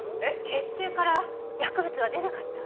血中から薬物は出なかった？